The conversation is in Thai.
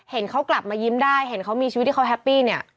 เขากลับมายิ้มได้เห็นเขามีชีวิตที่เขาแฮปปี้เนี่ย